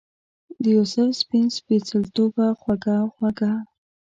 دیوسف سپین سپیڅلتوبه خوږه خوږه